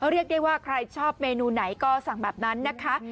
เรียกได้ว่าใครชอบเมนูไหนก็สั่งแบบนั้นนะคะ